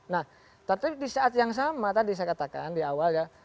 nah tapi di saat yang sama tadi saya katakan di awal ya